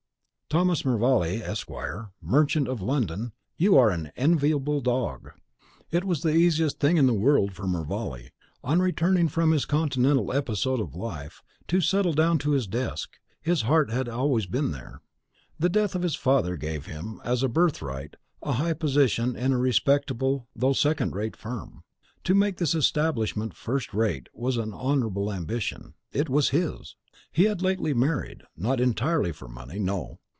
Thomas Mervale, Esq., merchant, of London, you are an enviable dog! It was the easiest thing in the world for Mervale, on returning from his Continental episode of life, to settle down to his desk, his heart had been always there. The death of his father gave him, as a birthright, a high position in a respectable though second rate firm. To make this establishment first rate was an honourable ambition, it was his! He had lately married, not entirely for money, no!